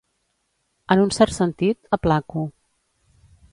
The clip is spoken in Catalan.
En un cert sentit, aplaco.